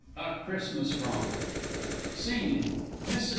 A Christmas Romp. SCENE MRS.